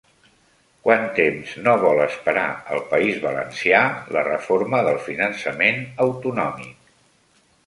Quant temps no vol esperar el País Valencià la reforma del finançament autonòmic?